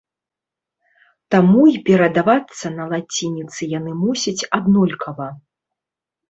Таму і перадавацца на лацінцы яны мусяць аднолькава.